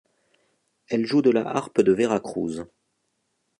Elle joue de la harpe de Veracruz.